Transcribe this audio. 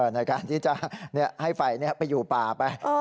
ในการที่จะให้ไฟไปอยู่ป่าไป